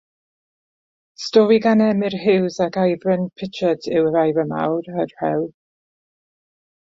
Stori gan Emily Huws ac Elfyn Pritchard yw Yr Eira Mawr a'r Rhew.